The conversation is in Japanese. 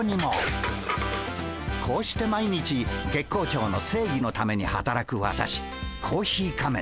こうして毎日月光町の正義のためにはたらく私コーヒー仮面。